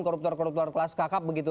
koruptor koruptor kelas kakap begitu